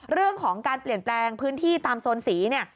เรื่องของการเปลี่ยนแปลงพื้นที่ตามโซนสีเนี่ย